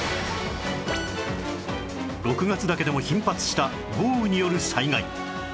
６月だけでも頻発した豪雨による災害